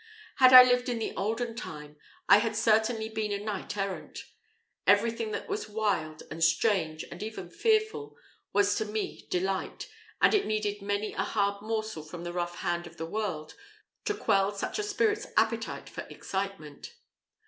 Had I lived in the olden time, I had certainly been a knight errant. Everything that was wild, and strange, and even fearful, was to me delight; and it needed many a hard morsel from the rough hand of the world to quell such a spirit's appetite for excitement.